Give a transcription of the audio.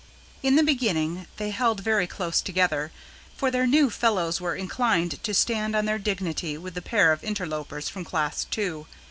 In the beginning, they held very close together; for their new fellows were inclined to stand on their dignity with the pair of interlopers from Class Two.